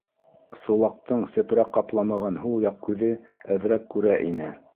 Сулаҡтың сепрәк ҡапламаған һул яҡ күҙе әҙерәк күрә ине.